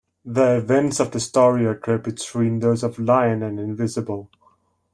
The events of this story occur between those of "Lion" and "Invincible".